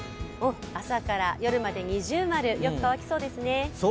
朝から夜まで◎、よく乾きそうですね。